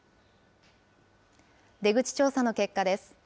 出口調査の結果です。